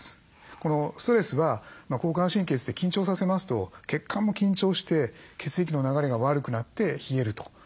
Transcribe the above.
このストレスは交感神経といって緊張させますと血管も緊張して血液の流れが悪くなって冷えると。